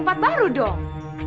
sehingga baik dulu tuhan